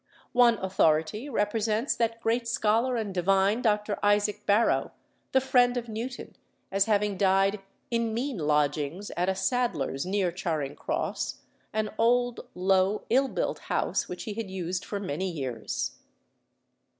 One authority represents that great scholar and divine, Dr. Isaac Barrow, the friend of Newton, as having died "in mean lodgings at a saddler's near Charing Cross, an old, low, ill built house, which he had used for many years."